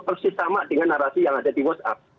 persis sama dengan narasi yang ada di whatsapp